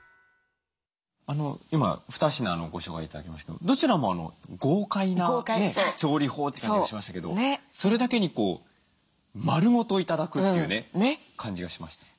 今二品のご紹介頂きましたけどどちらも豪快な調理法って感じがしましたけどそれだけに丸ごと頂くっていうね感じがしました。